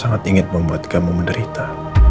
sangat ingin membuat kamu menderita